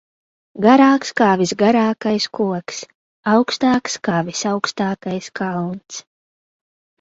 Garāks kā visgarākais koks, augstāks kā visaugstākais kalns.